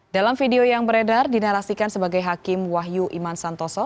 dalam video yang beredar dinarasikan sebagai hakim wahyu iman santoso